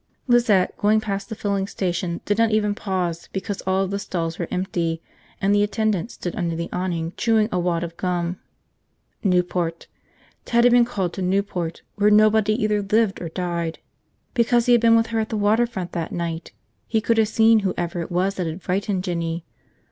Lizette, going past the filling station, did not even pause because all of the stalls were empty and the attendant stood under the awning chewing a wad of gum. Newport. Ted had been called to Newport, where nobody either lived or died, because he had been with her at the water front that night, he could have seen whoever it was that had frightened Jinny.